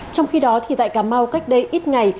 trong khi đó thì tại cà mau cách đây ít ngày